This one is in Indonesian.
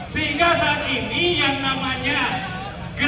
saya ini bukan ini